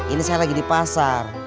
ini saya lagi di pasar